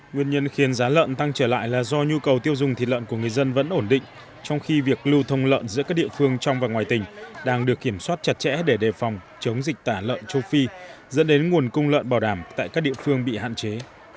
nguyên nhân khiến giá lợn tăng trở lại là do nhu cầu tiêu dùng thịt lợn của người dân vẫn ổn định trong khi việc lưu thông lợn giữa các địa phương trong và ngoài tỉnh đang được kiểm soát chặt chẽ để đề phòng chống dịch tả lợn châu phi dẫn đến nguồn cung lợn bảo đảm tại các địa phương bị hạn chế